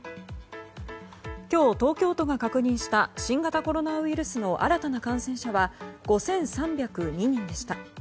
今日、東京都が確認した新型コロナウイルスの新たな感染者は５３０２人でした。